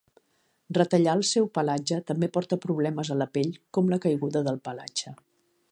Retallar el seu pelatge també porta problemes a la pell com la caiguda del pelatge.